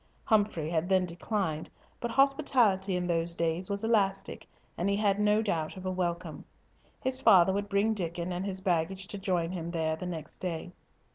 Humfrey had then declined, but hospitality in those days was elastic, and he had no doubt of a welcome. His father would bring Diccon and his baggage to join him there the next day.